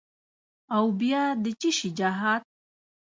او بیا د چیشي جهاد؟